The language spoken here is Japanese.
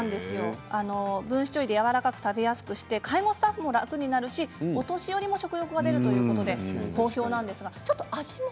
分子調理でやわらかく食べやすくして介護スタッフも楽になるしお年寄りも食欲が出るということで好評なんです。